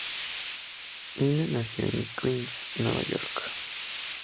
Nina nació en Queens, Nueva York.